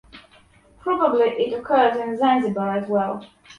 Probably it occurs in Zanzibar as well.